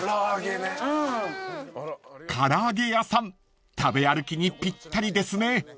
［唐揚げ屋さん食べ歩きにぴったりですね］